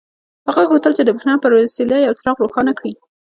هغه غوښتل چې د برېښنا په وسیله یو څراغ روښانه کړي